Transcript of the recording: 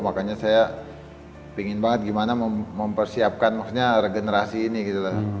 makanya saya pingin banget gimana mempersiapkan maksudnya regenerasi ini gitu loh